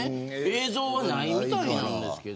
映像はないみたいです。